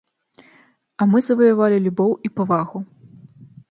А мы заваявалі любоў і павагу.